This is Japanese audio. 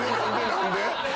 何で？